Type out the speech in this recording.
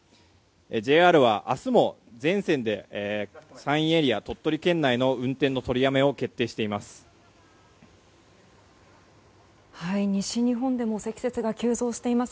ＪＲは明日も全線で山陰エリア鳥取県内の運転の取りやめを決定しています。